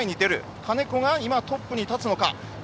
金子がトップに立つのか。